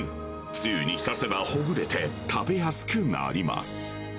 つゆに浸せばほぐれて、食べやすくなります。